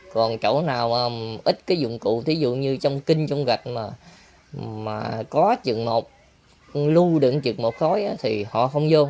còn chỗ nào ít dụng cụ ví dụ như trong kinh trong gạch mà có chừng một lưu được chừng một khối thì họ không vô